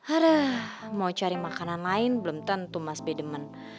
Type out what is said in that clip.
aduh mau cari makanan lain belum tentu mas b demen